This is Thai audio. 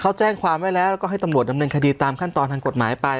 เขาแจ้งความไว้แล้วแล้วก็ให้ตำรวจดำเนินคดีตามขั้นตอนทางกฎหมายไป